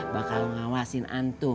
di kota semua di sini ada taj pulke